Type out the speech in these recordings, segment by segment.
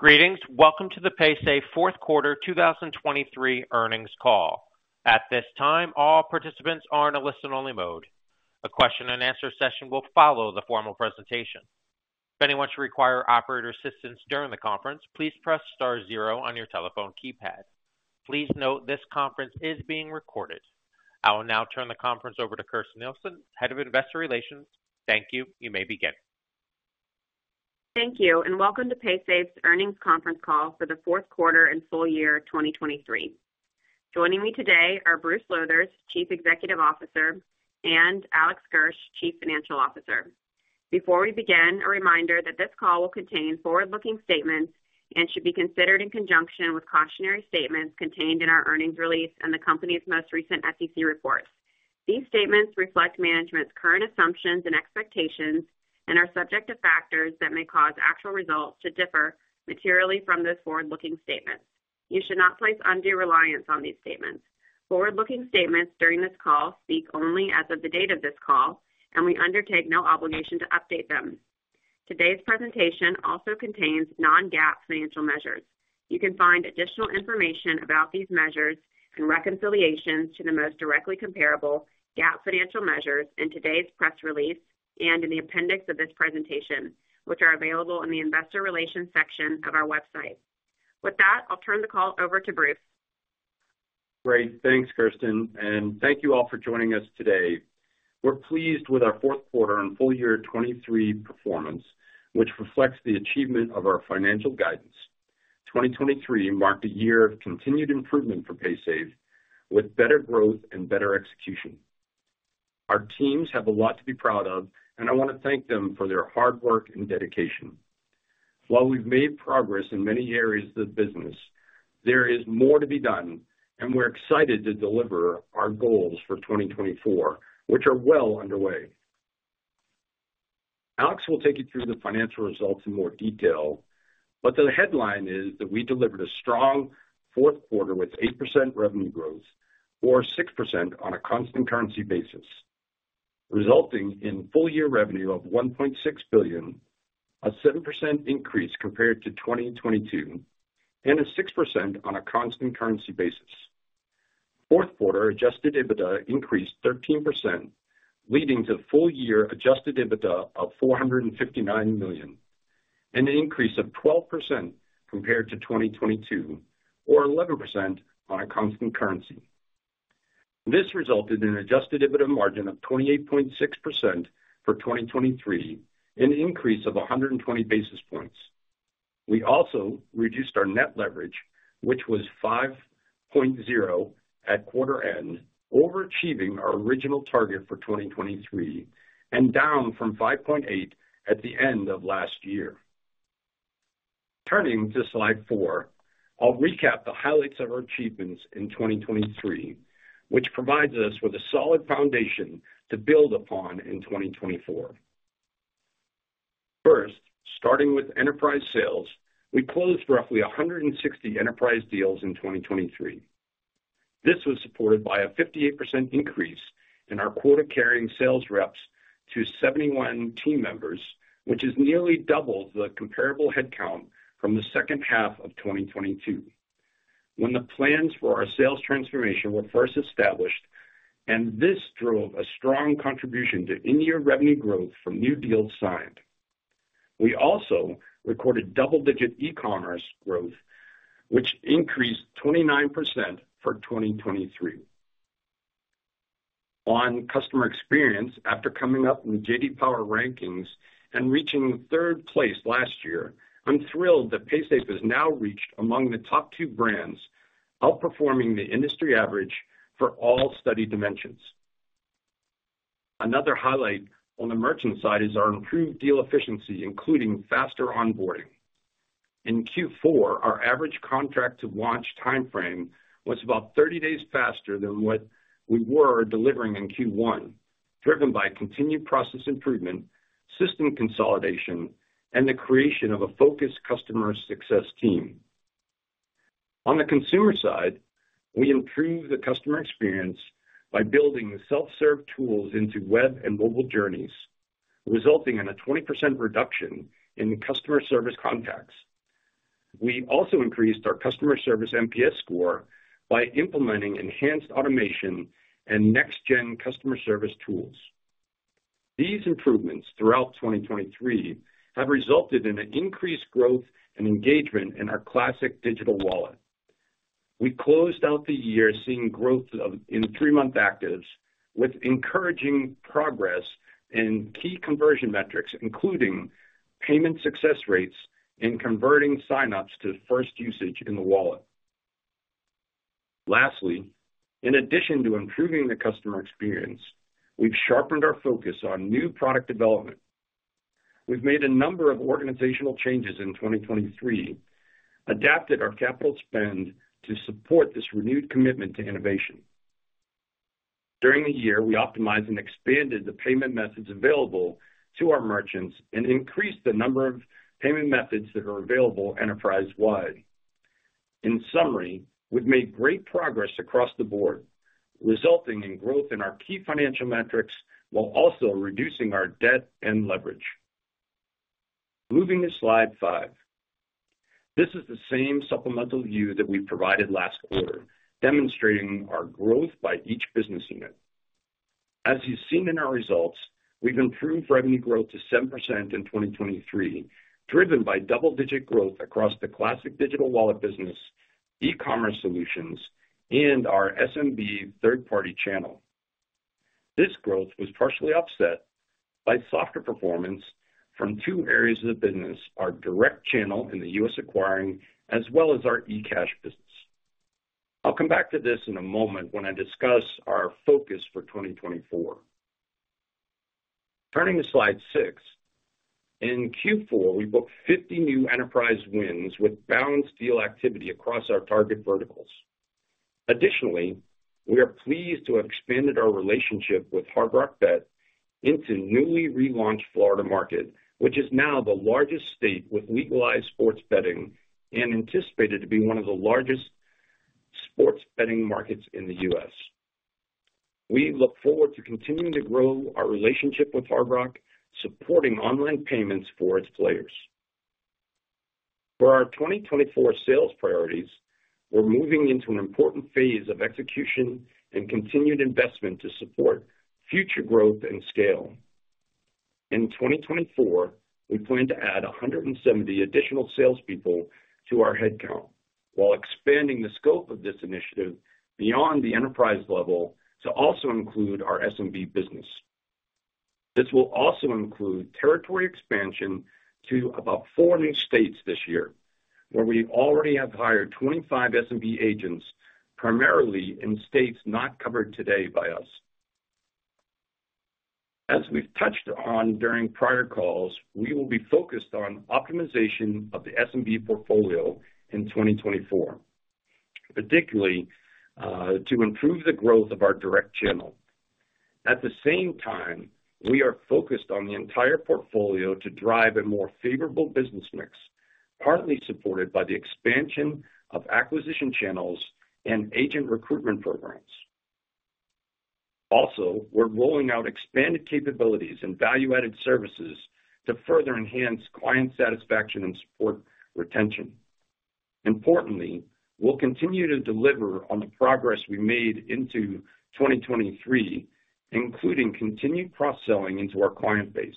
Greetings. Welcome to the Paysafe fourth quarter 2023 earnings call. At this time, all participants are in a listen-only mode. A question-and-answer session will follow the formal presentation. If anyone should require operator assistance during the conference, please press star 0 on your telephone keypad. Please note this conference is being recorded. I will now turn the conference over to Kirsten Nielsen, Head of Investor Relations. Thank you. You may begin. Thank you, and welcome to Paysafe's earnings conference call for the fourth quarter and full year 2023. Joining me today are Bruce Lowthers, Chief Executive Officer, and Alex Gersh, Chief Financial Officer. Before we begin, a reminder that this call will contain forward-looking statements and should be considered in conjunction with cautionary statements contained in our earnings release and the company's most recent SEC reports. These statements reflect management's current assumptions and expectations and are subject to factors that may cause actual results to differ materially from those forward-looking statements. You should not place undue reliance on these statements. Forward-looking statements during this call speak only as of the date of this call, and we undertake no obligation to update them. Today's presentation also contains non-GAAP financial measures. You can find additional information about these measures and reconciliations to the most directly comparable GAAP financial measures in today's press release and in the appendix of this presentation, which are available in the Investor Relations section of our website. With that, I'll turn the call over to Bruce. Great. Thanks, Kirsten, and thank you all for joining us today. We're pleased with our fourth quarter and full year 2023 performance, which reflects the achievement of our financial guidance. 2023 marked a year of continued improvement for Paysafe, with better growth and better execution. Our teams have a lot to be proud of, and I want to thank them for their hard work and dedication. While we've made progress in many areas of the business, there is more to be done, and we're excited to deliver our goals for 2024, which are well underway. Alex will take you through the financial results in more detail, but the headline is that we delivered a strong fourth quarter with 8% revenue growth, or 6% on a constant currency basis, resulting in full year revenue of $1.6 billion, a 7% increase compared to 2022, and a 6% on a constant currency basis. Fourth quarter adjusted EBITDA increased 13%, leading to full year adjusted EBITDA of $459 million, an increase of 12% compared to 2022, or 11% on a constant currency. This resulted in an adjusted EBITDA margin of 28.6% for 2023, an increase of 120 basis points. We also reduced our net leverage, which was 5.0 at quarter end, overachieving our original target for 2023 and down from 5.8 at the end of last year. Turning to slide four, I'll recap the highlights of our achievements in 2023, which provides us with a solid foundation to build upon in 2024. First, starting with enterprise sales, we closed roughly 160 enterprise deals in 2023. This was supported by a 58% increase in our quota-carrying sales reps to 71 team members, which is nearly double the comparable headcount from the second half of 2022, when the plans for our sales transformation were first established, and this drove a strong contribution to in-year revenue growth from new deals signed. We also recorded double-digit e-commerce growth, which increased 29% for 2023. On customer experience, after coming up in the J.D. Power rankings and reaching third place last year, I'm thrilled that Paysafe has now reached among the top two brands outperforming the industry average for all study dimensions. Another highlight on the merchant side is our improved deal efficiency, including faster onboarding. In Q4, our average contract-to-launch timeframe was about 30 days faster than what we were delivering in Q1, driven by continued process improvement, system consolidation, and the creation of a focused customer success team. On the consumer side, we improved the customer experience by building self-serve tools into web and mobile journeys, resulting in a 20% reduction in customer service contacts. We also increased our customer service NPS score by implementing enhanced automation and next-gen customer service tools. These improvements throughout 2023 have resulted in an increased growth and engagement in our Classic Digital Wallets. We closed out the year seeing growth in three-month actives, with encouraging progress in key conversion metrics, including payment success rates and converting signups to first usage in the wallet. Lastly, in addition to improving the customer experience, we've sharpened our focus on new product development. We've made a number of organizational changes in 2023, adapted our capital spend to support this renewed commitment to innovation. During the year, we optimized and expanded the payment methods available to our merchants and increased the number of payment methods that are available enterprise-wide. In summary, we've made great progress across the board, resulting in growth in our key financial metrics while also reducing our debt and leverage. Moving to slide 5. This is the same supplemental view that we provided last quarter, demonstrating our growth by each business unit. As you've seen in our results, we've improved revenue growth to 7% in 2023, driven by double-digit growth across the Classic Digital Wallets business, e-commerce solutions, and our SMB third-party channel. This growth was partially offset by softer performance from two areas of the business, our direct channel in the U.S. acquiring, as well as our eCash business. I'll come back to this in a moment when I discuss our focus for 2024. Turning to slide 6. In Q4, we booked 50 new enterprise wins with balanced deal activity across our target verticals. Additionally, we are pleased to have expanded our relationship with Hard Rock Bet into newly relaunched Florida market, which is now the largest state with legalized sports betting and anticipated to be one of the largest sports betting markets in the U.S. We look forward to continuing to grow our relationship with Hard Rock, supporting online payments for its players. For our 2024 sales priorities, we're moving into an important phase of execution and continued investment to support future growth and scale. In 2024, we plan to add 170 additional salespeople to our headcount, while expanding the scope of this initiative beyond the enterprise level to also include our SMB business. This will also include territory expansion to about 4 new states this year, where we already have hired 25 SMB agents, primarily in states not covered today by us. As we've touched on during prior calls, we will be focused on optimization of the SMB portfolio in 2024, particularly to improve the growth of our direct channel. At the same time, we are focused on the entire portfolio to drive a more favorable business mix, partly supported by the expansion of acquisition channels and agent recruitment programs. Also, we're rolling out expanded capabilities and value-added services to further enhance client satisfaction and support retention. Importantly, we'll continue to deliver on the progress we made into 2023, including continued cross-selling into our client base.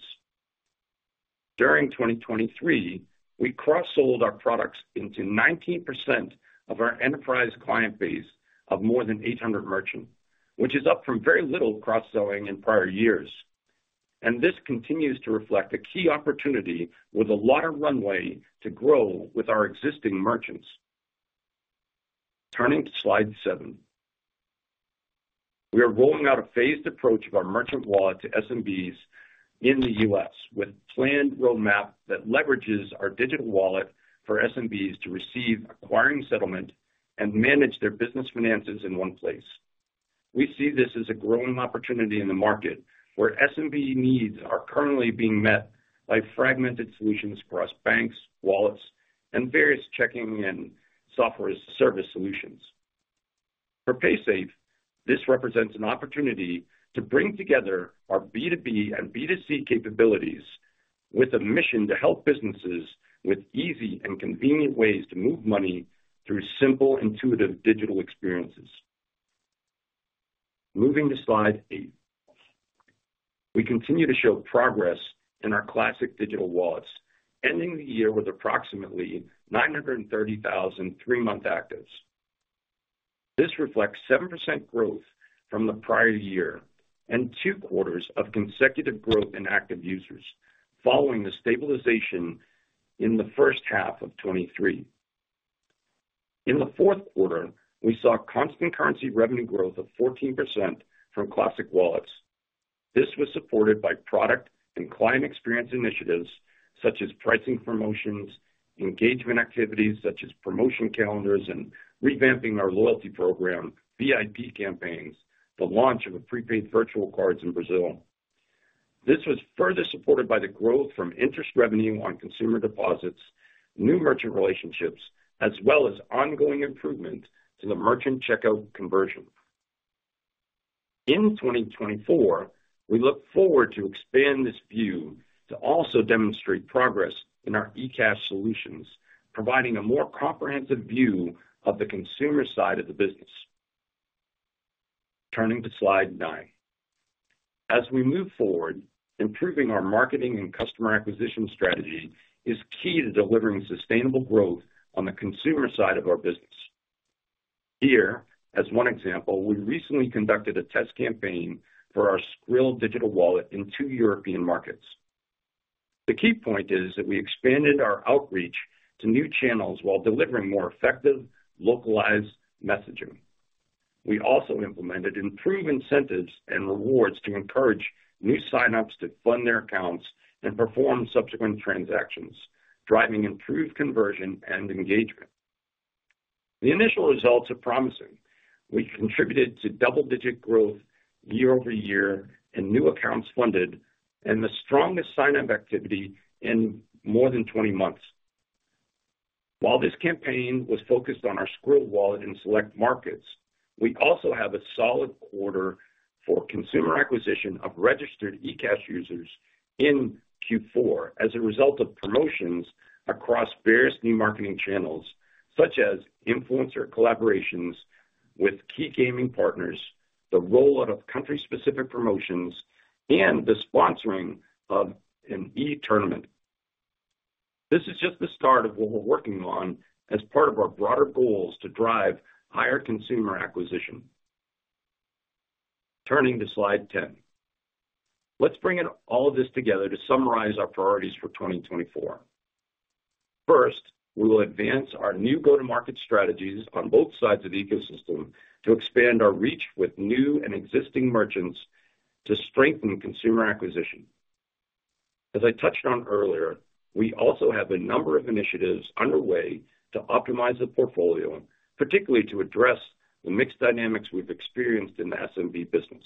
During 2023, we cross-sold our products into 19% of our enterprise client base of more than 800 merchants, which is up from very little cross-selling in prior years. This continues to reflect a key opportunity with a lot of runway to grow with our existing merchants. Turning to slide seven. We are rolling out a phased approach of our merchant wallet to SMBs in the U.S., with a planned roadmap that leverages our digital wallet for SMBs to receive acquiring settlement and manage their business finances in one place. We see this as a growing opportunity in the market, where SMB needs are currently being met by fragmented solutions across banks, wallets, and various accounting software as a service solutions. For Paysafe, this represents an opportunity to bring together our B2B and B2C capabilities with a mission to help businesses with easy and convenient ways to move money through simple, intuitive digital experiences. Moving to slide 8. We continue to show progress in our classic digital wallets, ending the year with approximately 930,000 three-month actives. This reflects 7% growth from the prior year and two quarters of consecutive growth in active users, following the stabilization in the first half of 2023. In the fourth quarter, we saw constant currency revenue growth of 14% from classic wallets. This was supported by product and client experience initiatives, such as pricing promotions, engagement activities, such as promotion calendars and revamping our loyalty program, VIP campaigns, the launch of prepaid virtual cards in Brazil. This was further supported by the growth from interest revenue on consumer deposits, new merchant relationships, as well as ongoing improvement to the merchant checkout conversion. In 2024, we look forward to expand this view to also demonstrate progress in our eCash solutions, providing a more comprehensive view of the consumer side of the business. Turning to slide 9. As we move forward, improving our marketing and customer acquisition strategy is key to delivering sustainable growth on the consumer side of our business. Here, as one example, we recently conducted a test campaign for our Skrill digital wallet in two European markets. The key point is that we expanded our outreach to new channels while delivering more effective, localized messaging. We also implemented improved incentives and rewards to encourage new signups to fund their accounts and perform subsequent transactions, driving improved conversion and engagement. The initial results are promising. We contributed to double-digit growth year over year in new accounts funded and the strongest signup activity in more than 20 months. While this campaign was focused on our Skrill wallet in select markets, we also had a solid quarter for consumer acquisition of registered eCash users in Q4 as a result of promotions across various new marketing channels, such as influencer collaborations with key gaming partners, the rollout of country-specific promotions, and the sponsoring of an e-tournament. This is just the start of what we're working on as part of our broader goals to drive higher consumer acquisition. Turning to slide 10. Let's bring all of this together to summarize our priorities for 2024. First, we will advance our new go-to-market strategies on both sides of the ecosystem to expand our reach with new and existing merchants to strengthen consumer acquisition. As I touched on earlier, we also have a number of initiatives underway to optimize the portfolio, particularly to address the mixed dynamics we've experienced in the SMB business.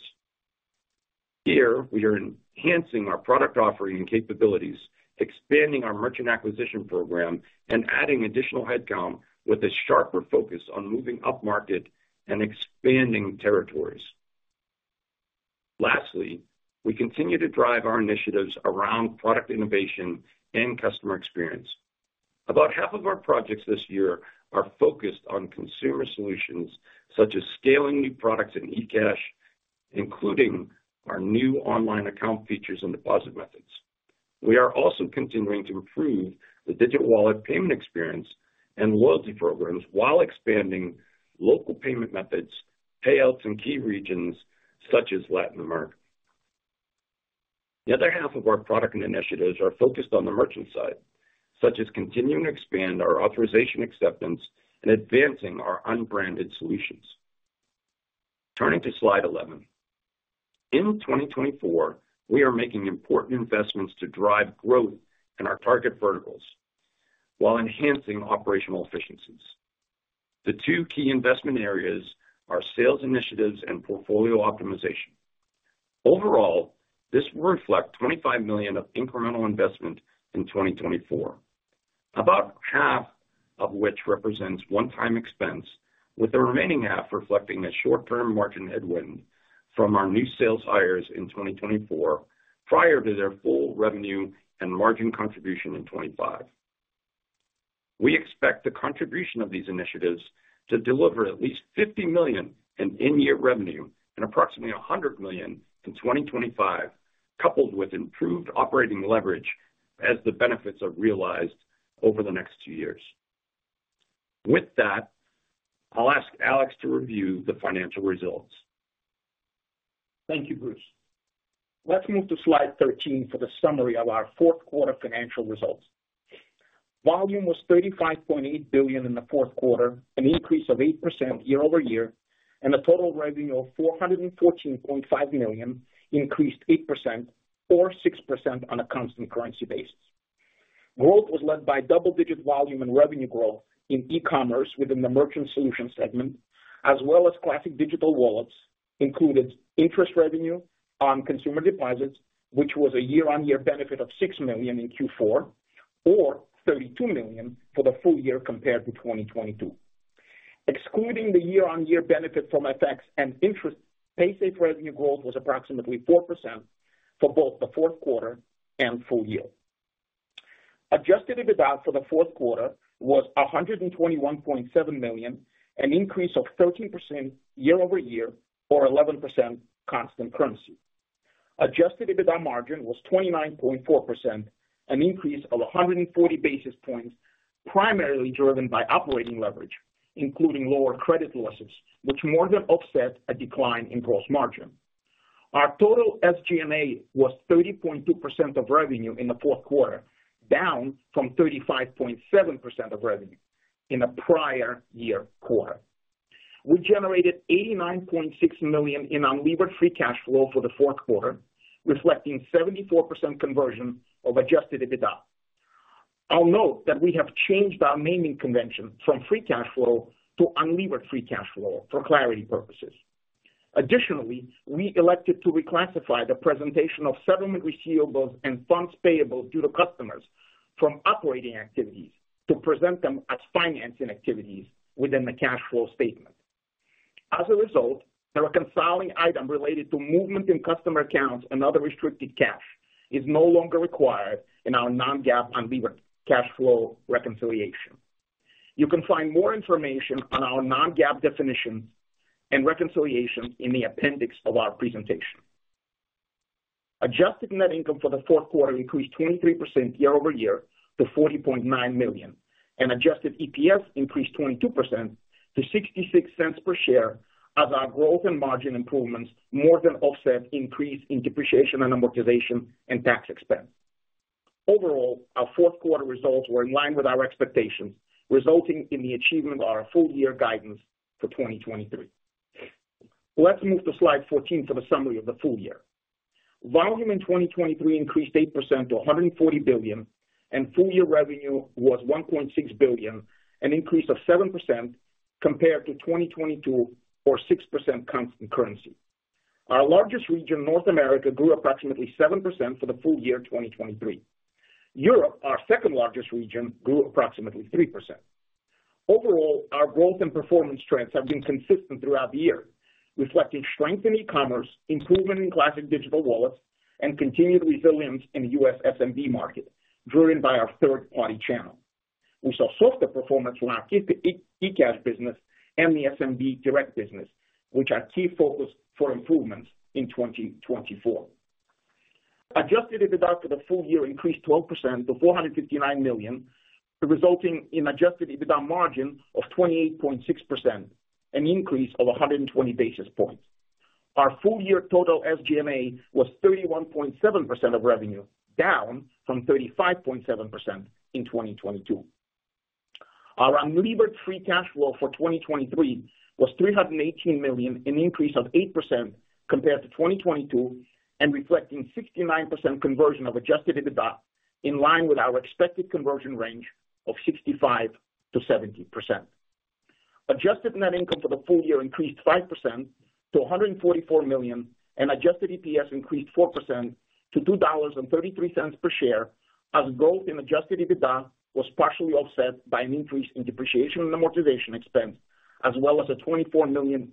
Here, we are enhancing our product offering and capabilities, expanding our merchant acquisition program, and adding additional headcount with a sharper focus on moving up market and expanding territories. Lastly, we continue to drive our initiatives around product innovation and customer experience. About half of our projects this year are focused on consumer solutions, such as scaling new products and eCash, including our new online account features and deposit methods. We are also continuing to improve the digital wallet payment experience and loyalty programs while expanding local payment methods, payouts, and key regions, such as Latin America. The other half of our product and initiatives are focused on the merchant side, such as continuing to expand our authorization acceptance and advancing our unbranded solutions. Turning to slide 11. In 2024, we are making important investments to drive growth in our target verticals while enhancing operational efficiencies. The two key investment areas are sales initiatives and portfolio optimization. Overall, this will reflect $25 million of incremental investment in 2024, about half of which represents one-time expense, with the remaining half reflecting a short-term margin headwind from our new sales hires in 2024 prior to their full revenue and margin contribution in 2025. We expect the contribution of these initiatives to deliver at least $50 million in end-year revenue and approximately $100 million in 2025, coupled with improved operating leverage, as the benefits are realized over the next two years. With that, I'll ask Alex to review the financial results. Thank you, Bruce. Let's move to slide 13 for the summary of our fourth quarter financial results. Volume was $35.8 billion in the fourth quarter, an increase of 8% year-over-year, and the total revenue of $414.5 million increased 8% or 6% on a constant currency basis. Growth was led by double-digit volume and revenue growth in e-commerce within the Merchant Solutions segment, as well as classic digital wallets, including interest revenue on consumer deposits, which was a year-over-year benefit of $6 million in Q4 or $32 million for the full year compared to 2022. Excluding the year-over-year benefit from FX and interest, Paysafe revenue growth was approximately 4% for both the fourth quarter and full year. Adjusted EBITDA for the fourth quarter was $121.7 million, an increase of 13% year-over-year or 11% constant currency. Adjusted EBITDA margin was 29.4%, an increase of 140 basis points, primarily driven by operating leverage, including lower credit losses, which more than offset a decline in gross margin. Our total SG&A was 30.2% of revenue in the fourth quarter, down from 35.7% of revenue in a prior year quarter. We generated $89.6 million in unlevered free cash flow for the fourth quarter, reflecting 74% conversion of adjusted EBITDA. I'll note that we have changed our naming convention from free cash flow to unlevered free cash flow for clarity purposes. Additionally, we elected to reclassify the presentation of settlement receivables and funds payables due to customers from operating activities to present them as financing activities within the cash flow statement. As a result, the reconciling item related to movement in customer accounts and other restricted cash is no longer required in our non-GAAP unlevered cash flow reconciliation. You can find more information on our non-GAAP definitions and reconciliations in the appendix of our presentation. Adjusted net income for the fourth quarter increased 23% year-over-year to $40.9 million, and adjusted EPS increased 22% to $0.66 per share as our growth and margin improvements more than offset increase in depreciation and amortization and tax expense. Overall, our fourth quarter results were in line with our expectations, resulting in the achievement of our full-year guidance for 2023. Let's move to slide 14 for the summary of the full year. Volume in 2023 increased 8% to $140 billion, and full-year revenue was $1.6 billion, an increase of 7% compared to 2022 or 6% constant currency. Our largest region, North America, grew approximately 7% for the full year 2023. Europe, our second largest region, grew approximately 3%. Overall, our growth and performance trends have been consistent throughout the year, reflecting strength in e-commerce, improvement in classic digital wallets, and continued resilience in the U.S. SMB market, driven by our third-party channel. We saw softer performance from our eCash business and the SMB direct business, which are key focuses for improvements in 2024. Adjusted EBITDA for the full year increased 12% to $459 million, resulting in an adjusted EBITDA margin of 28.6%, an increase of 120 basis points. Our full-year total SG&A was 31.7% of revenue, down from 35.7% in 2022. Our unlevered free cash flow for 2023 was $318 million, an increase of 8% compared to 2022, and reflecting 69% conversion of adjusted EBITDA in line with our expected conversion range of 65%-70%. Adjusted net income for the full year increased 5% to $144 million, and adjusted EPS increased 4% to $2.33 per share as growth in Adjusted EBITDA was partially offset by an increase in depreciation and amortization expense, as well as a $24 million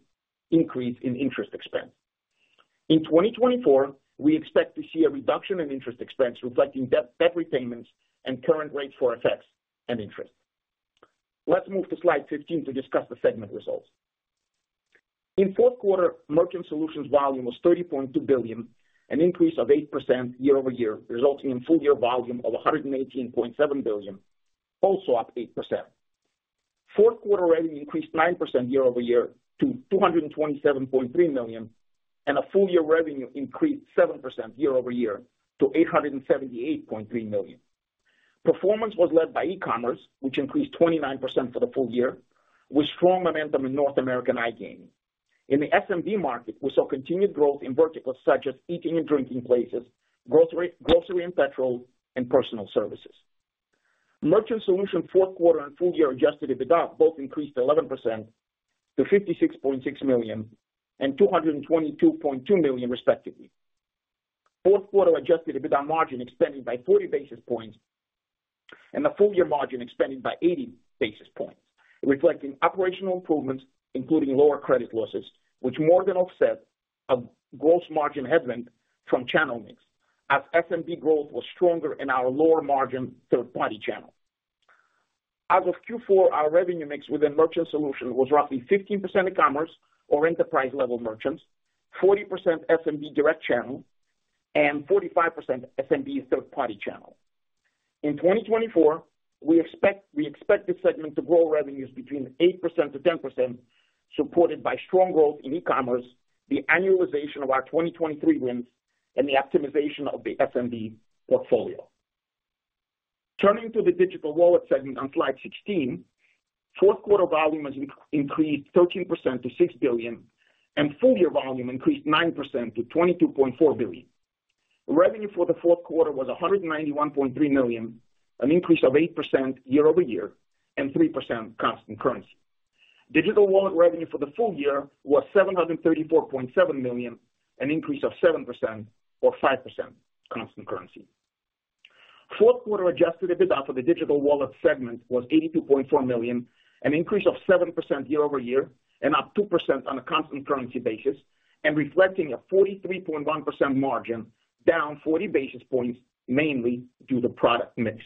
increase in interest expense. In 2024, we expect to see a reduction in interest expense, reflecting debt repayments and current rates for FX and interest. Let's move to slide 15 to discuss the segment results. In fourth quarter, Merchant Solutions volume was $30.2 billion, an increase of 8% year-over-year, resulting in full-year volume of $118.7 billion, also up 8%. Fourth quarter revenue increased 9% year-over-year to $227.3 million, and full-year revenue increased 7% year-over-year to $878.3 million. Performance was led by e-commerce, which increased 29% for the full year, with strong momentum in North American iGaming. In the SMB market, we saw continued growth in verticals such as eating and drinking places, grocery and petrol, and personal services. Merchant solution fourth quarter and full-year adjusted EBITDA both increased 11% to $56.6 million and $222.2 million, respectively. Fourth quarter adjusted EBITDA margin expanded by 40 basis points and the full-year margin expanded by 80 basis points, reflecting operational improvements, including lower credit losses, which more than offset a gross margin headwind from channel mix as SMB growth was stronger in our lower margin third-party channel. As of Q4, our revenue mix within Merchant Solutions was roughly 15% e-commerce or enterprise-level merchants, 40% SMB direct channel, and 45% SMB third-party channel. In 2024, we expect this segment to grow revenues between 8%-10%, supported by strong growth in e-commerce, the annualization of our 2023 wins, and the optimization of the SMB portfolio. Turning to the Digital Wallet segment on slide 16, fourth quarter volume has increased 13% to $6 billion, and full-year volume increased 9% to $22.4 billion. Revenue for the fourth quarter was $191.3 million, an increase of 8% year-over-year and 3% constant currency. Digital wallet revenue for the full year was $734.7 million, an increase of 7% or 5% constant currency. Fourth quarter Adjusted EBITDA for the Digital Wallet segment was $82.4 million, an increase of 7% year-over-year and up 2% on a constant currency basis, and reflecting a 43.1% margin, down 40 basis points, mainly due to product mix.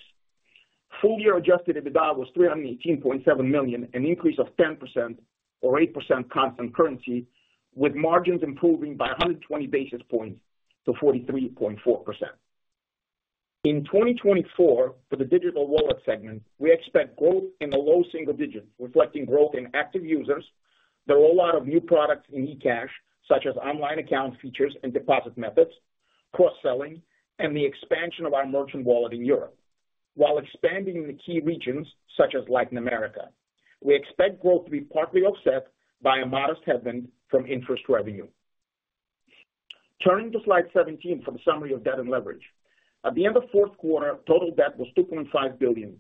Full-year Adjusted EBITDA was $318.7 million, an increase of 10% or 8% constant currency, with margins improving by 120 basis points to 43.4%. In 2024, for the Digital Wallet segment, we expect growth in the low single digits, reflecting growth in active users, the rollout of new products in eCash, such as online account features and deposit methods, cross-selling, and the expansion of our merchant wallet in Europe. While expanding in the key regions, such as Latin America, we expect growth to be partly offset by a modest headwind from interest revenue. Turning to slide 17 for the summary of debt and leverage. At the end of fourth quarter, total debt was $2.5 billion,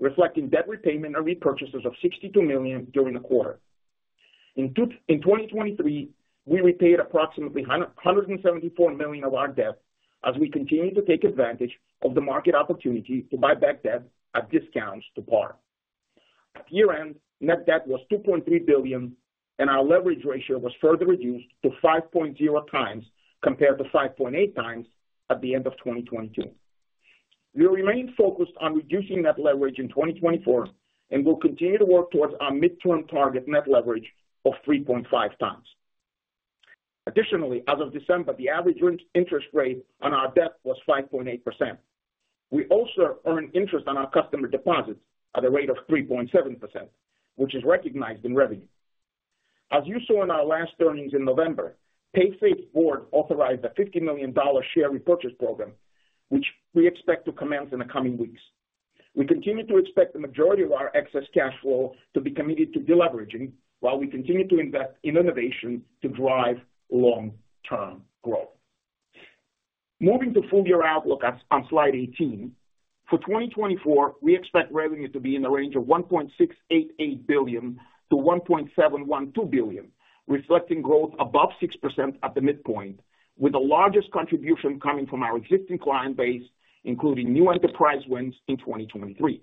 reflecting debt repayment and repurchases of $62 million during the quarter. In 2023, we repaid approximately $174 million of our debt as we continue to take advantage of the market opportunity to buy back debt at discounts to par. At year-end, net debt was $2.3 billion, and our leverage ratio was further reduced to 5.0 times compared to 5.8 times at the end of 2022. We will remain focused on reducing net leverage in 2024 and will continue to work towards our midterm target net leverage of 3.5 times. Additionally, as of December, the average interest rate on our debt was 5.8%. We also earn interest on our customer deposits at a rate of 3.7%, which is recognized in revenue. As you saw in our last earnings in November, Paysafe's board authorized a $50 million share repurchase program, which we expect to commence in the coming weeks. We continue to expect the majority of our excess cash flow to be committed to deleveraging while we continue to invest in innovation to drive long-term growth. Moving to full-year outlook on slide 18. For 2024, we expect revenue to be in the range of $1.688 billion-$1.712 billion, reflecting growth above 6% at the midpoint, with the largest contribution coming from our existing client base, including new enterprise wins in 2023.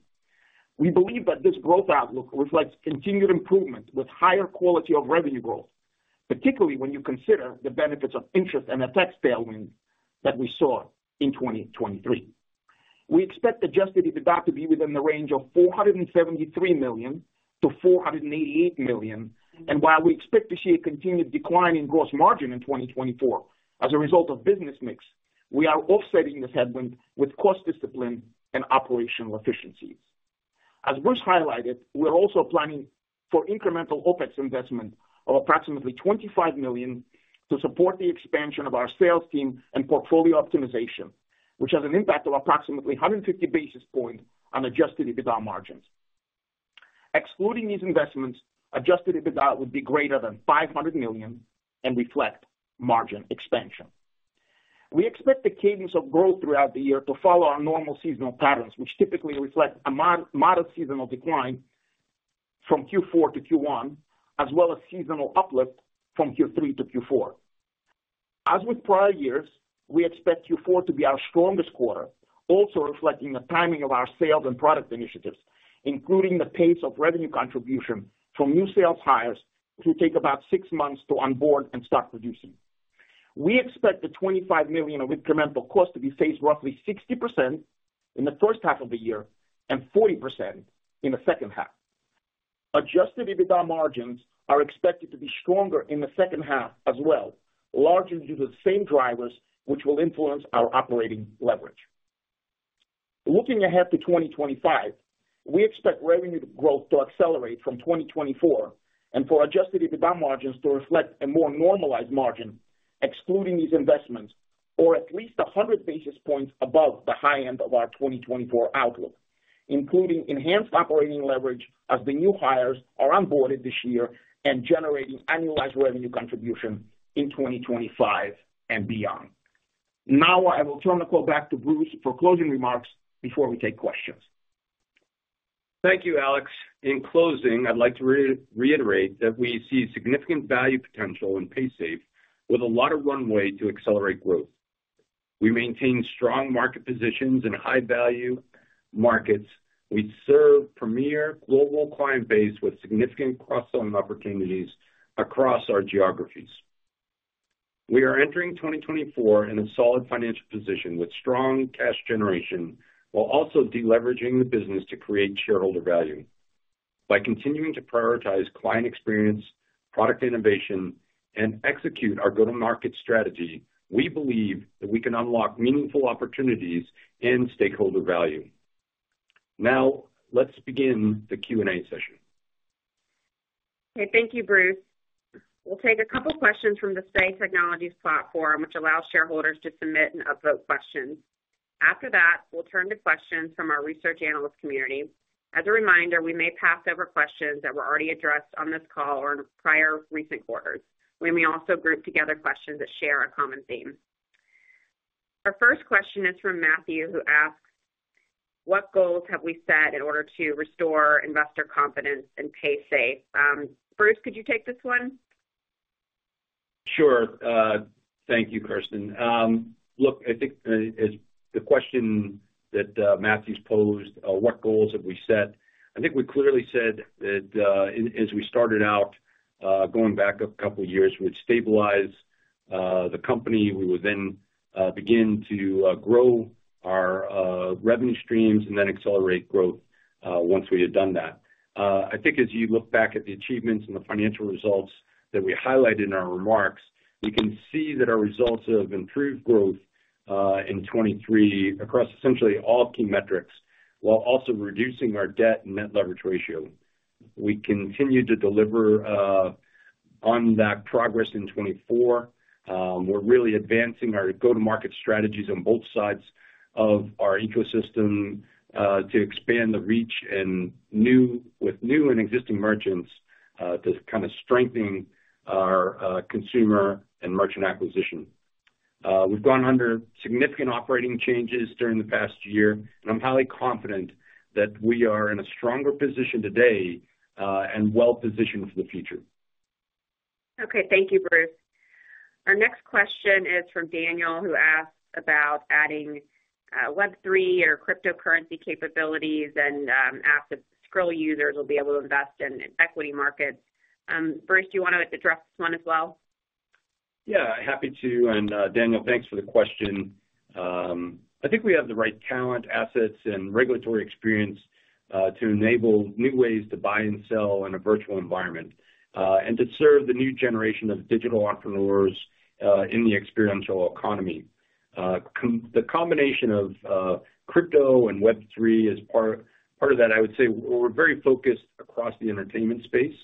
We believe that this growth outlook reflects continued improvement with higher quality of revenue growth, particularly when you consider the benefits of interest and FX tailwind that we saw in 2023. We expect Adjusted EBITDA to be within the range of $473 million-$488 million. And while we expect to see a continued decline in gross margin in 2024 as a result of business mix, we are offsetting this headwind with cost discipline and operational efficiencies. As Bruce highlighted, we're also planning for incremental OPEX investment of approximately $25 million to support the expansion of our sales team and portfolio optimization, which has an impact of approximately 150 basis points on adjusted EBITDA margins. Excluding these investments, adjusted EBITDA would be greater than $500 million and reflect margin expansion. We expect the cadence of growth throughout the year to follow our normal seasonal patterns, which typically reflect a modest seasonal decline from Q4 to Q1, as well as seasonal uplift from Q3 to Q4. As with prior years, we expect Q4 to be our strongest quarter, also reflecting the timing of our sales and product initiatives, including the pace of revenue contribution from new sales hires who take about 6 months to onboard and start producing. We expect the $25 million incremental cost to be phased roughly 60% in the first half of the year and 40% in the second half. Adjusted EBITDA margins are expected to be stronger in the second half as well, largely due to the same drivers which will influence our operating leverage. Looking ahead to 2025, we expect revenue growth to accelerate from 2024 and for adjusted EBITDA margins to reflect a more normalized margin, excluding these investments, or at least 100 basis points above the high end of our 2024 outlook, including enhanced operating leverage as the new hires are onboarded this year and generating annualized revenue contribution in 2025 and beyond. Now, I will turn the call back to Bruce for closing remarks before we take questions. Thank you, Alex. In closing, I'd like to reiterate that we see significant value potential in Paysafe with a lot of runway to accelerate growth. We maintain strong market positions in high-value markets. We serve premier global client base with significant cross-selling opportunities across our geographies. We are entering 2024 in a solid financial position with strong cash generation while also deleveraging the business to create shareholder value. By continuing to prioritize client experience, product innovation, and execute our go-to-market strategy, we believe that we can unlock meaningful opportunities and stakeholder value. Now, let's begin the Q&A session. Okay. Thank you, Bruce. We'll take a couple of questions from the Say Technologies platform, which allows shareholders to submit and upvote questions. After that, we'll turn to questions from our research analyst community. As a reminder, we may pass over questions that were already addressed on this call or in prior recent quarters. We may also group together questions that share a common theme. Our first question is from Matthew, who asks, "What goals have we set in order to restore investor confidence in Paysafe?" Bruce, could you take this one? Sure. Thank you, Kirsten. Look, I think the question that Matthew's posed, "What goals have we set?" I think we clearly said that as we started out, going back a couple of years, we'd stabilize the company. We would then begin to grow our revenue streams and then accelerate growth once we had done that. I think as you look back at the achievements and the financial results that we highlighted in our remarks, you can see that our results have improved growth in 2023 across essentially all key metrics while also reducing our debt and net leverage ratio. We continue to deliver on that progress in 2024. We're really advancing our go-to-market strategies on both sides of our ecosystem to expand the reach with new and existing merchants to kind of strengthen our consumer and merchant acquisition. We've undergone significant operating changes during the past year, and I'm highly confident that we are in a stronger position today and well-positioned for the future. Okay. Thank you, Bruce. Our next question is from Daniel, who asks about adding Web3 or cryptocurrency capabilities and apps that Skrill users will be able to invest in equity markets. Bruce, do you want to address this one as well? Yeah, happy to. And Daniel, thanks for the question. I think we have the right talent, assets, and regulatory experience to enable new ways to buy and sell in a virtual environment and to serve the new generation of digital entrepreneurs in the experiential economy. The combination of crypto and Web3 is part of that. I would say we're very focused across the entertainment space,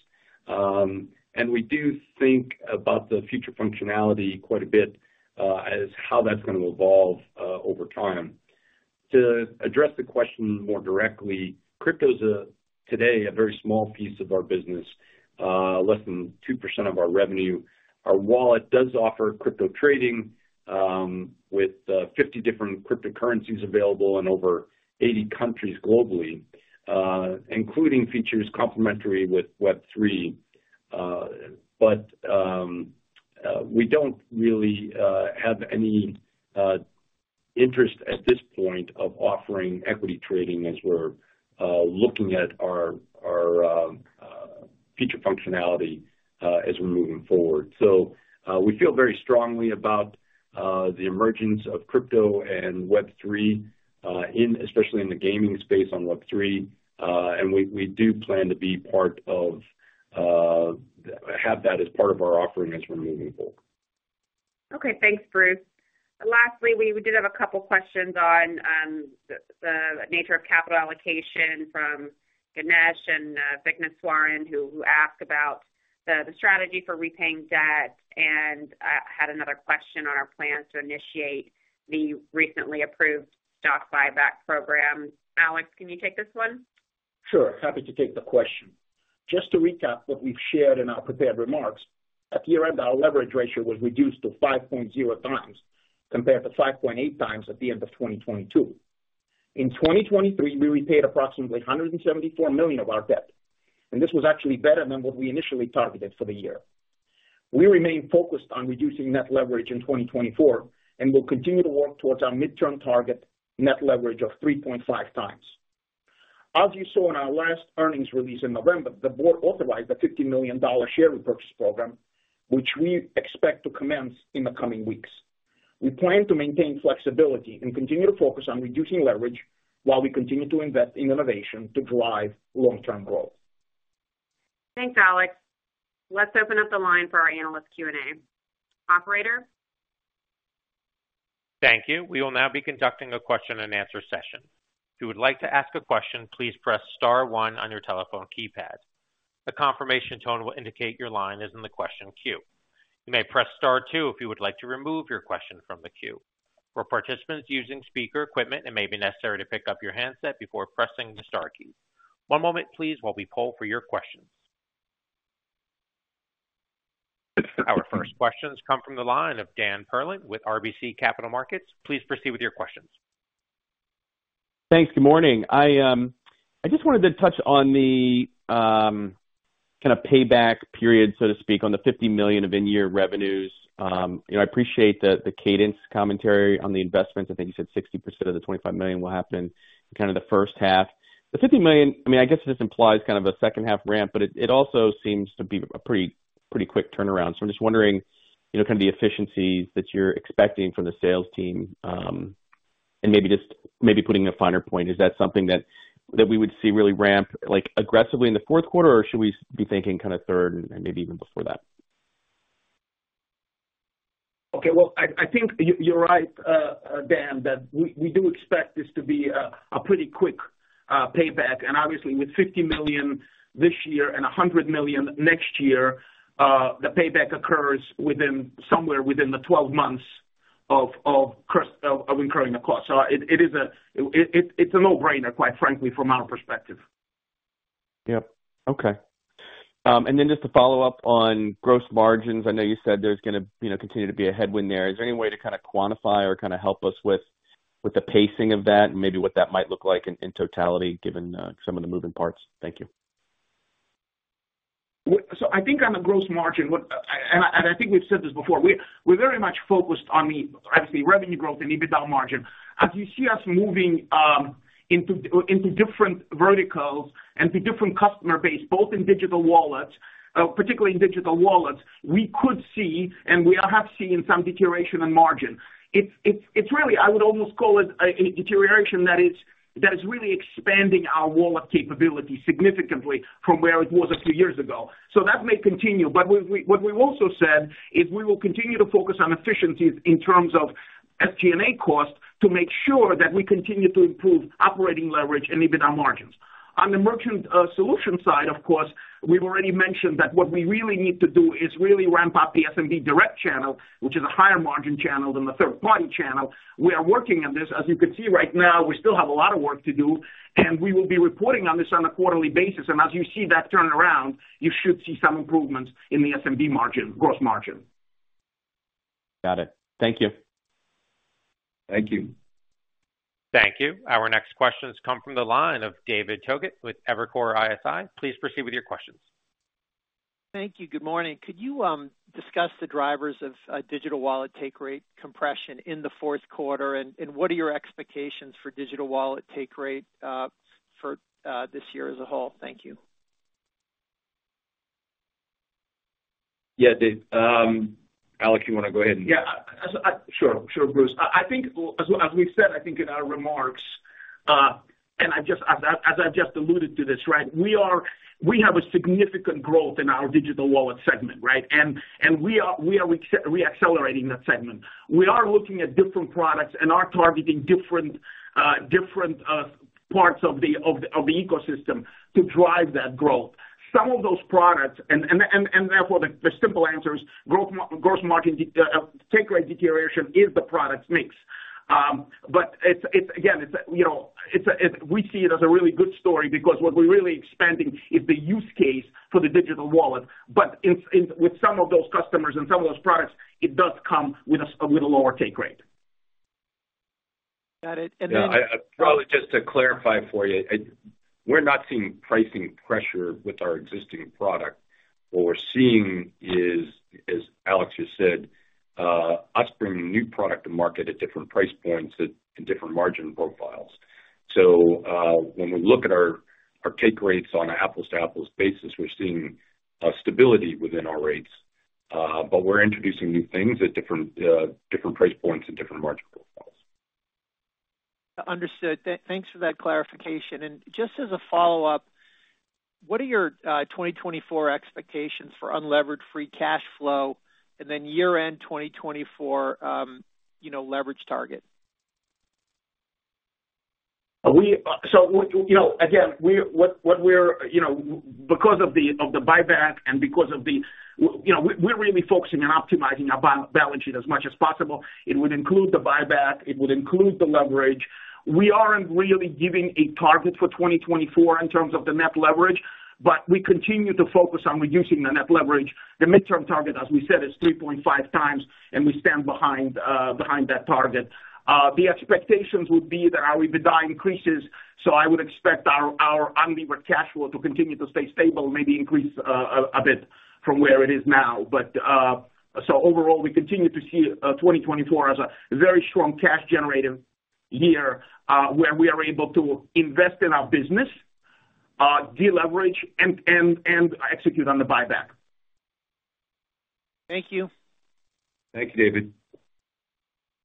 and we do think about the future functionality quite a bit as how that's going to evolve over time. To address the question more directly, crypto is today a very small piece of our business, less than 2% of our revenue. Our wallet does offer crypto trading with 50 different cryptocurrencies available in over 80 countries globally, including features complementary with Web3. But we don't really have any interest at this point of offering equity trading as we're looking at our future functionality as we're moving forward. So we feel very strongly about the emergence of crypto and Web3, especially in the gaming space on Web3. And we do plan to be part of have that as part of our offering as we're moving forward. Okay. Thanks, Bruce. Lastly, we did have a couple of questions on the nature of capital allocation from Ganesh and Vigneswaran who asked about the strategy for repaying debt and had another question on our plans to initiate the recently approved stock buyback program. Alex, can you take this one? Sure. Happy to take the question. Just to recap what we've shared in our prepared remarks, at year-end, our leverage ratio was reduced to 5.0 times compared to 5.8 times at the end of 2022. In 2023, we repaid approximately $174 million of our debt, and this was actually better than what we initially targeted for the year. We remain focused on reducing net leverage in 2024 and will continue to work towards our midterm target net leverage of 3.5 times. As you saw in our last earnings release in November, the board authorized a $50 million share repurchase program, which we expect to commence in the coming weeks. We plan to maintain flexibility and continue to focus on reducing leverage while we continue to invest in innovation to drive long-term growth. Thanks, Alex. Let's open up the line for our analyst Q&A. Operator? Thank you. We will now be conducting a question-and-answer session. If you would like to ask a question, please press *1 on your telephone keypad. The confirmation tone will indicate your line is in the question queue. You may press *2 if you would like to remove your question from the queue. For participants using speaker equipment, it may be necessary to pick up your handset before pressing the star key. One moment, please, while we poll for your questions. Our first questions come from the line of Dan Perlin with RBC Capital Markets. Please proceed with your questions. Thanks. Good morning. I just wanted to touch on the kind of payback period, so to speak, on the $50 million of in-year revenues. I appreciate the cadence commentary on the investments. I think you said 60% of the $25 million will happen in kind of the first half. The $50 million, I mean, I guess it just implies kind of a second-half ramp, but it also seems to be a pretty quick turnaround. So I'm just wondering kind of the efficiencies that you're expecting from the sales team and maybe putting a finer point. Is that something that we would see really ramp aggressively in the fourth quarter, or should we be thinking kind of third and maybe even before that? Okay. Well, I think you're right, Dan, that we do expect this to be a pretty quick payback. And obviously, with $50 million this year and $100 million next year, the payback occurs somewhere within the 12 months of incurring the cost. So it's a no-brainer, quite frankly, from our perspective. Yep. Okay. And then just to follow up on gross margins, I know you said there's going to continue to be a headwind there. Is there any way to kind of quantify or kind of help us with the pacing of that and maybe what that might look like in totality, given some of the moving parts? Thank you. So I think on the gross margin, and I think we've said this before, we're very much focused on the, obviously, revenue growth and EBITDA margin. As you see us moving into different verticals and to different customer base, both in digital wallets, particularly in digital wallets, we could see and we have seen some deterioration in margin. It's really, I would almost call it, a deterioration that is really expanding our wallet capability significantly from where it was a few years ago. So that may continue. But what we've also said is we will continue to focus on efficiencies in terms of SG&A cost to make sure that we continue to improve operating leverage and EBITDA margins. On the merchant solution side, of course, we've already mentioned that what we really need to do is really ramp up the SMB direct channel, which is a higher margin channel than the third-party channel. We are working on this. As you can see right now, we still have a lot of work to do, and we will be reporting on this on a quarterly basis. As you see that turnaround, you should see some improvements in the SMB gross margin. Got it. Thank you. Thank you. Thank you. Our next questions come from the line of David Togut with Evercore ISI. Please proceed with your questions. Thank you. Good morning. Could you discuss the drivers of digital wallet take-rate compression in the fourth quarter, and what are your expectations for digital wallet take-rate for this year as a whole? Thank you. Yeah, David. Alex, you want to go ahead and? Yeah. Sure, Bruce. As we've said, I think in our remarks, and as I've just alluded to this, right, we have a significant growth in our digital wallet segment, right? And we are reaccelerating that segment. We are looking at different products, and we're targeting different parts of the ecosystem to drive that growth. Some of those products, and therefore, the simple answer is gross margin take-rate deterioration is the product mix. But again, we see it as a really good story because what we're really expanding is the use case for the digital wallet. But with some of those customers and some of those products, it does come with a lower take-rate. Got it. And then. Yeah. Probably just to clarify for you, we're not seeing pricing pressure with our existing product. What we're seeing is, as Alex just said, us bringing new product to market at different price points and different margin profiles. So when we look at our take-rates on an apples-to-apples basis, we're seeing stability within our rates. But we're introducing new things at different price points and different margin profiles. Understood. Thanks for that clarification. Just as a follow-up, what are your 2024 expectations for unlevered free cash flow and then year-end 2024 leverage target? So again, because of the buyback and because of the leverage, we're really focusing on optimizing our balance sheet as much as possible. It would include the buyback. It would include the leverage. We aren't really giving a target for 2024 in terms of the net leverage, but we continue to focus on reducing the net leverage. The mid-term target, as we said, is 3.5 times, and we stand behind that target. The expectations would be that our EBITDA increases. So I would expect our unlevered cash flow to continue to stay stable, maybe increase a bit from where it is now. But so overall, we continue to see 2024 as a very strong cash-generating year where we are able to invest in our business, de-leverage, and execute on the buyback. Thank you. Thank you, David.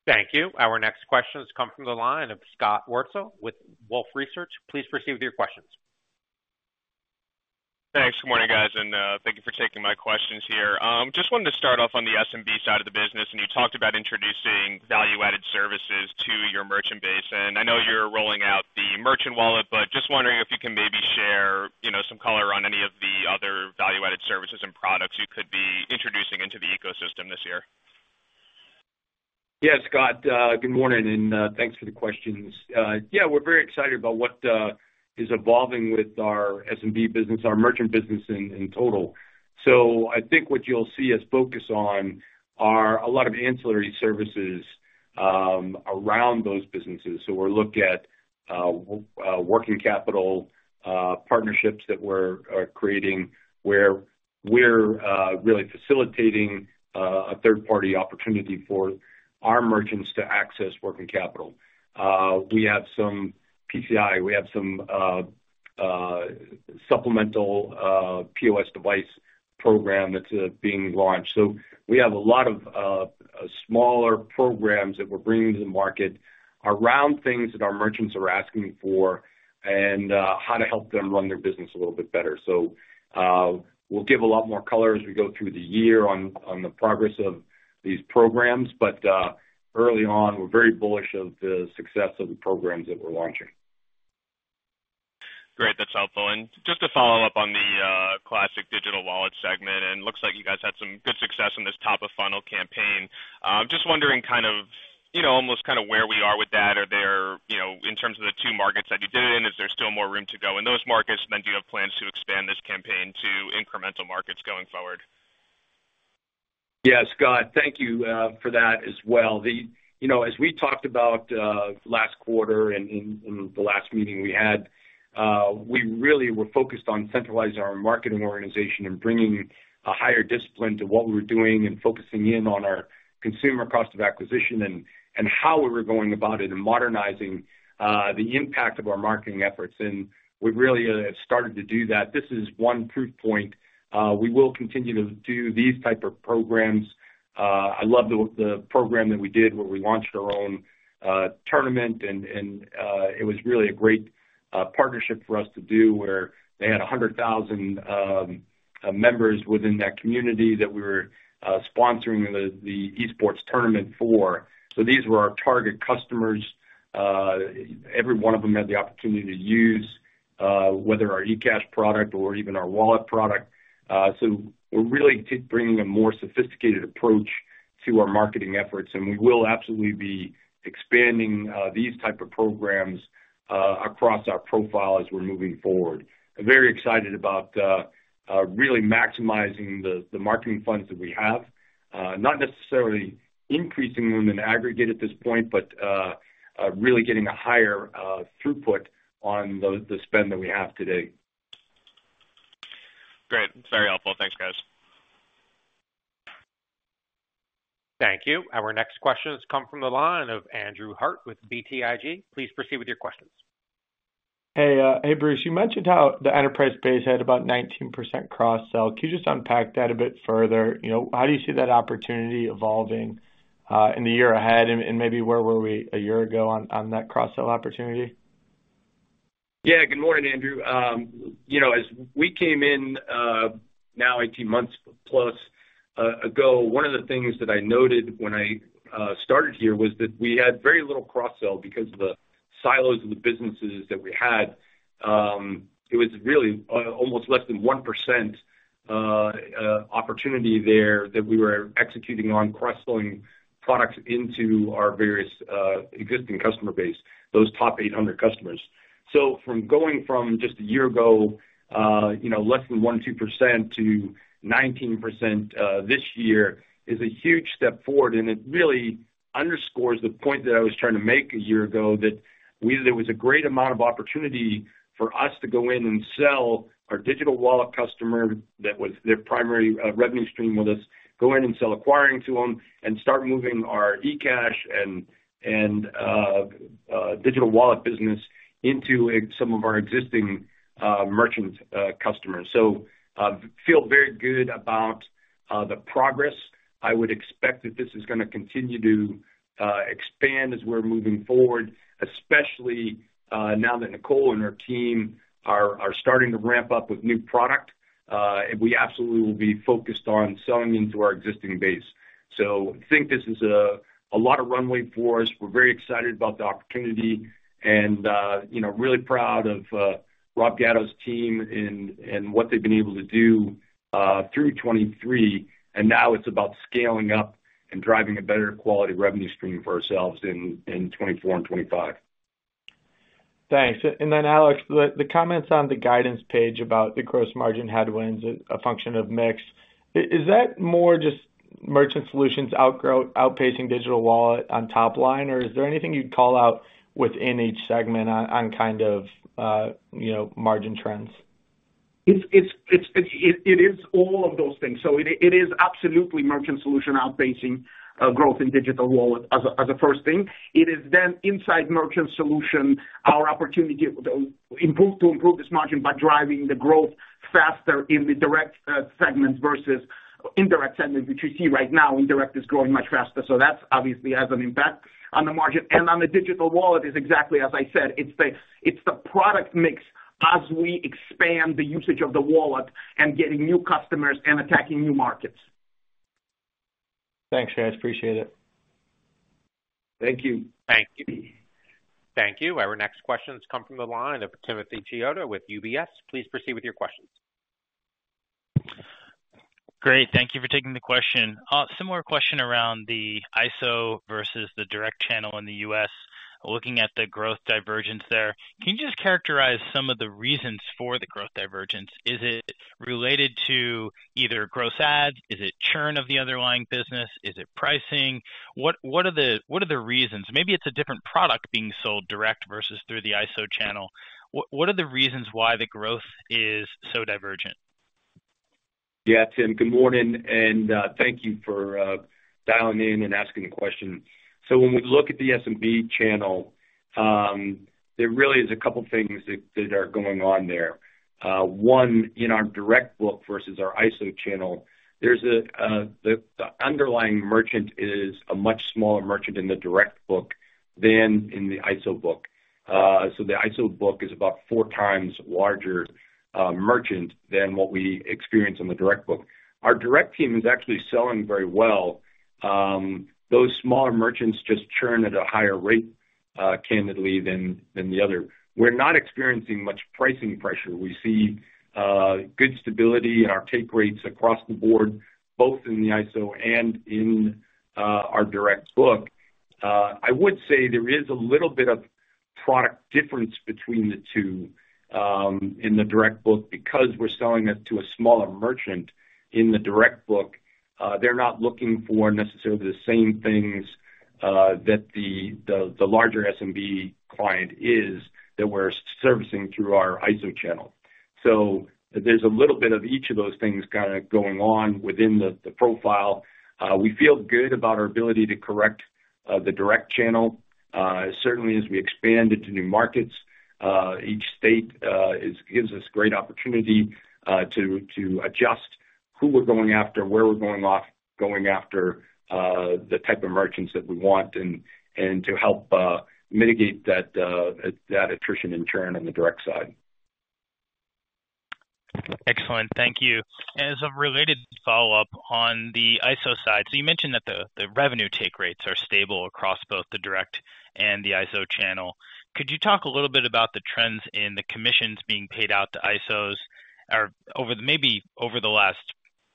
Thank you. Our next questions come from the line of Scott Wurtzel with Wolfe Research. Please proceed with your questions. Thanks. Good morning, guys. Thank you for taking my questions here. Just wanted to start off on the SMB side of the business. You talked about introducing value-added services to your merchant base. I know you're rolling out the Merchant wallet, but just wondering if you can maybe share some color on any of the other value-added services and products you could be introducing into the ecosystem this year. Yes, Scott. Good morning. Thanks for the questions. Yeah, we're very excited about what is evolving with our SMB business, our merchant business in total. I think what you'll see us focus on are a lot of ancillary services around those businesses. We'll look at working capital partnerships that we're creating where we're really facilitating a third-party opportunity for our merchants to access working capital. We have some PCI. We have some supplemental POS device program that's being launched. We have a lot of smaller programs that we're bringing to the market around things that our merchants are asking for and how to help them run their business a little bit better. We'll give a lot more color as we go through the year on the progress of these programs. But early on, we're very bullish of the success of the programs that we're launching. Great. That's helpful. And just to follow up on the Classic digital wallet segment, and it looks like you guys had some good success in this top-of-funnel campaign. I'm just wondering kind of almost kind of where we are with that. Are there in terms of the two markets that you did it in, is there still more room to go in those markets? And then do you have plans to expand this campaign to incremental markets going forward? Yes, Scott. Thank you for that as well. As we talked about last quarter and in the last meeting we had, we really were focused on centralizing our marketing organization and bringing a higher discipline to what we were doing and focusing in on our consumer cost of acquisition and how we were going about it and modernizing the impact of our marketing efforts. And we've really started to do that. This is one proof point. We will continue to do these types of programs. I love the program that we did where we launched our own tournament. And it was really a great partnership for us to do where they had 100,000 members within that community that we were sponsoring the esports tournament for. So these were our target customers. Every one of them had the opportunity to use, whether our eCash product or even our wallet product. We're really bringing a more sophisticated approach to our marketing efforts. We will absolutely be expanding these types of programs across our profile as we're moving forward. Very excited about really maximizing the marketing funds that we have, not necessarily increasing them in aggregate at this point, but really getting a higher throughput on the spend that we have today. Great. That's very helpful. Thanks, guys. Thank you. Our next questions come from the line of Andrew Harte with BTIG. Please proceed with your questions. Hey, Bruce. You mentioned how the enterprise base had about 19% cross-sell. Could you just unpack that a bit further? How do you see that opportunity evolving in the year ahead? And maybe where were we a year ago on that cross-sell opportunity? Yeah. Good morning, Andrew. As we came in now 18 months-plus ago, one of the things that I noted when I started here was that we had very little cross-sell because of the silos of the businesses that we had. It was really almost less than 1% opportunity there that we were executing on cross-selling products into our various existing customer base, those top 800 customers. So from going from just a year ago, less than 1%-2%, to 19% this year is a huge step forward. And it really underscores the point that I was trying to make a year ago that there was a great amount of opportunity for us to go in and sell our digital wallet customer that was their primary revenue stream with us, go in and sell acquiring to them, and start moving our eCash and digital wallet business into some of our existing merchant customers. So I feel very good about the progress. I would expect that this is going to continue to expand as we're moving forward, especially now that Nicole and her team are starting to ramp up with new product. And we absolutely will be focused on selling into our existing base. So I think this is a lot of runway for us. We're very excited about the opportunity and really proud of Rob Gatto's team and what they've been able to do through 2023. Now it's about scaling up and driving a better quality revenue stream for ourselves in 2024 and 2025. Thanks. And then, Alex, the comments on the guidance page about the gross margin headwinds, a function of mix, is that more just merchant solutions outpacing digital wallet on top line, or is there anything you'd call out within each segment on kind of margin trends? It is all of those things. So it is absolutely merchant solution outpacing growth in digital wallet as a first thing. It is then inside merchant solution, our opportunity to improve this margin by driving the growth faster in the direct segment versus indirect segment, which you see right now. Indirect is growing much faster. So that obviously has an impact on the margin. And on the digital wallet, it's exactly as I said. It's the product mix as we expand the usage of the wallet and getting new customers and attacking new markets. Thanks, sharing. I appreciate it. Thank you. Thank you. Thank you. Our next questions come from the line of Timothy Chiodo with UBS. Please proceed with your questions. Great. Thank you for taking the question. Similar question around the ISO versus the direct channel in the U.S. Looking at the growth divergence there, can you just characterize some of the reasons for the growth divergence? Is it related to either gross ads? Is it churn of the underlying business? Is it pricing? What are the reasons? Maybe it's a different product being sold direct versus through the ISO channel. What are the reasons why the growth is so divergent? Yeah, Tim. Good morning. Thank you for dialing in and asking the question. When we look at the SMB channel, there really is a couple of things that are going on there. One, in our direct book versus our ISO channel, the underlying merchant is a much smaller merchant in the direct book than in the ISO book. The ISO book is about four times larger merchant than what we experience in the direct book. Our direct team is actually selling very well. Those smaller merchants just churn at a higher rate, candidly, than the other. We're not experiencing much pricing pressure. We see good stability in our take-rates across the board, both in the ISO and in our direct book. I would say there is a little bit of product difference between the two in the direct book because we're selling it to a smaller merchant in the direct book. They're not looking for necessarily the same things that the larger SMB client is that we're servicing through our ISO channel. So there's a little bit of each of those things kind of going on within the profile. We feel good about our ability to correct the direct channel, certainly as we expand into new markets. Each state gives us great opportunity to adjust who we're going after, where we're going after, the type of merchants that we want, and to help mitigate that attrition and churn on the direct side. Excellent. Thank you. As a related follow-up on the ISO side, so you mentioned that the revenue take-rates are stable across both the direct and the ISO channel. Could you talk a little bit about the trends in the commissions being paid out to ISOs maybe over the last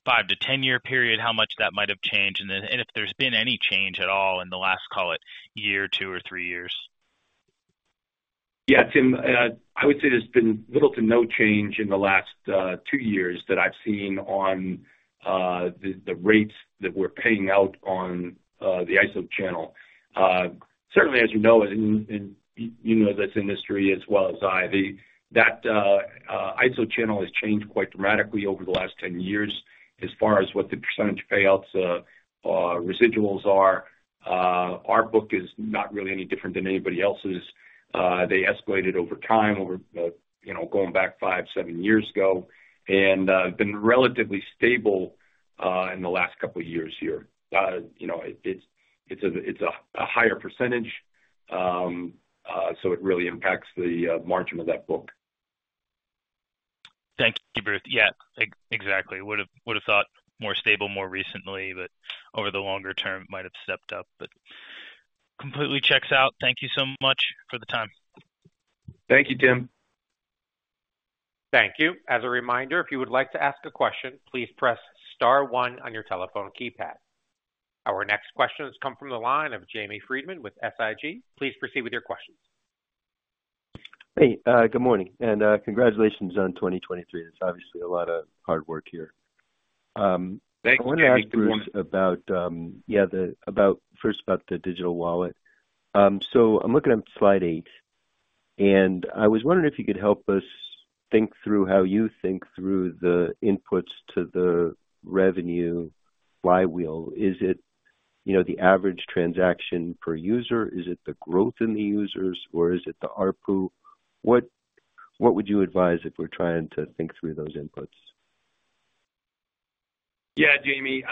5-10-year period, how much that might have changed, and if there's been any change at all in the last, call it, year, 2, or 3 years? Yeah, Tim. I would say there's been little to no change in the last 2 years that I've seen on the rates that we're paying out on the ISO channel. Certainly, as you know, in this industry as well as I, that ISO channel has changed quite dramatically over the last 10 years as far as what the percentage payouts or residuals are. Our book is not really any different than anybody else's. They escalated over time, going back 5, 7 years ago, and been relatively stable in the last couple of years here. It's a higher percentage, so it really impacts the margin of that book. Thank you, Bruce. Yeah, exactly. Would have thought more stable more recently, but over the longer term, might have stepped up. But completely checks out. Thank you so much for the time. Thank you, Tim. Thank you. As a reminder, if you would like to ask a question, please press *1 on your telephone keypad. Our next questions come from the line of James Friedman with SIG. Please proceed with your questions. Hey, good morning. Congratulations on 2023. It's obviously a lot of hard work here. I wanted to ask Bruce about, yeah, first, about the digital wallet. I'm looking at slide 8. I was wondering if you could help us think through how you think through the inputs to the revenue flywheel. Is it the average transaction per user? Is it the growth in the users, or is it the ARPU? What would you advise if we're trying to think through those inputs? Yeah, James.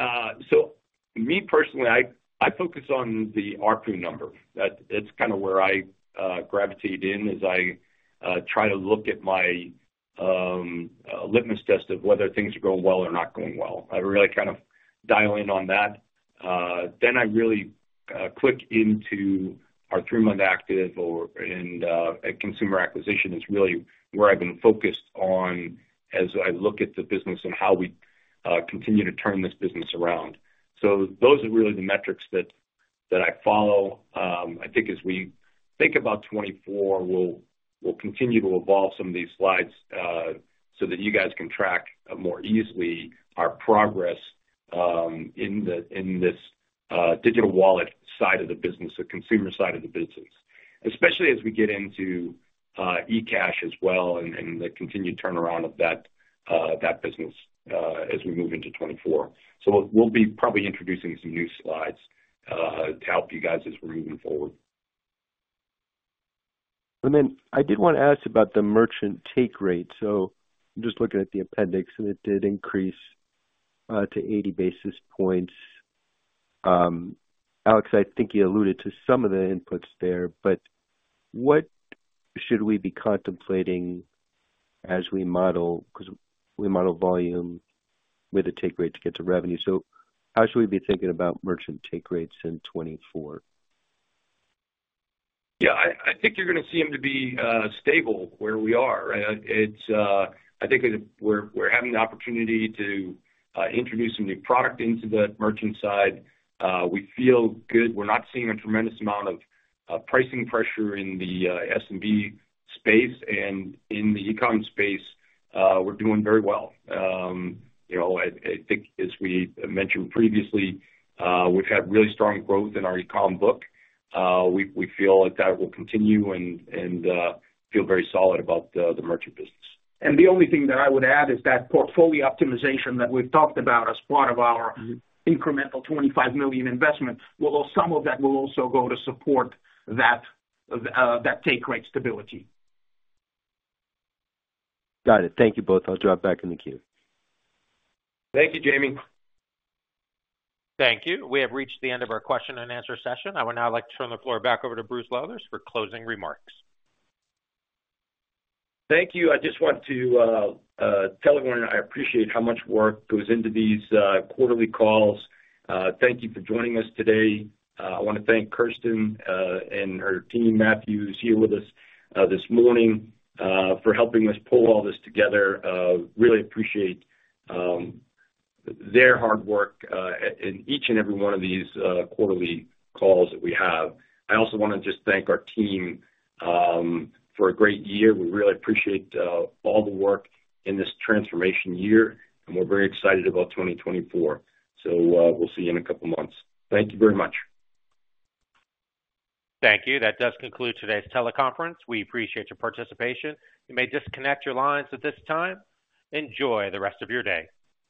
So me personally, I focus on the ARPU number. That's kind of where I gravitate in as I try to look at my litmus test of whether things are going well or not going well. I really kind of dial in on that. Then I really click into our three-month active, and consumer acquisition is really where I've been focused on as I look at the business and how we continue to turn this business around. So those are really the metrics that I follow. I think as we think about 2024, we'll continue to evolve some of these slides so that you guys can track more easily our progress in this digital wallet side of the business, the consumer side of the business, especially as we get into eCash as well and the continued turnaround of that business as we move into 2024. We'll be probably introducing some new slides to help you guys as we're moving forward. Then I did want to ask about the merchant take rate. I'm just looking at the appendix, and it did increase to 80 basis points. Alex, I think you alluded to some of the inputs there, but what should we be contemplating as we model because we model volume with a take rate to get to revenue? How should we be thinking about merchant take rates in 2024? Yeah, I think you're going to see them to be stable where we are, right? I think we're having the opportunity to introduce some new product into the merchant side. We feel good. We're not seeing a tremendous amount of pricing pressure in the SMB space. And in the e-comm space, we're doing very well. I think, as we mentioned previously, we've had really strong growth in our e-comm book. We feel that that will continue and feel very solid about the merchant business. The only thing that I would add is that portfolio optimization that we've talked about as part of our incremental $25 million investment, although some of that will also go to support that take rate stability. Got it. Thank you both. I'll drop back in the queue. Thank you, James. Thank you. We have reached the end of our question-and-answer session. I would now like to turn the floor back over to Bruce Lowthers for closing remarks. Thank you. I just want to tell everyone I appreciate how much work goes into these quarterly calls. Thank you for joining us today. I want to thank Kirsten and her team, Matthew, who's here with us this morning for helping us pull all this together. Really appreciate their hard work in each and every one of these quarterly calls that we have. I also want to just thank our team for a great year. We really appreciate all the work in this transformation year, and we're very excited about 2024. So we'll see you in a couple of months. Thank you very much. Thank you. That does conclude today's teleconference. We appreciate your participation. You may disconnect your lines at this time. Enjoy the rest of your day.